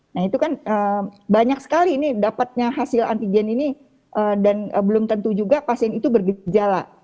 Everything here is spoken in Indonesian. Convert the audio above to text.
nah itu kan banyak sekali ini dapatnya hasil antigen ini dan belum tentu juga pasien itu bergejala